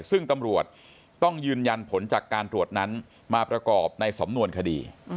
ซึ่งตำรวจต้องยืนยันผลจากการตรวจนั้นมาประกอบในสำนวนคดี